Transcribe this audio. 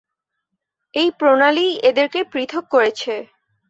এই প্রণালী ই এদেরকে পৃথক করেছে।